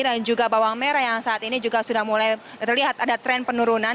dan juga bawang merah yang saat ini juga sudah mulai terlihat ada tren penurunan